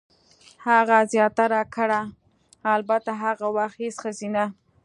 هغې زیاته کړه: "البته، هغه وخت هېڅ ښځینه.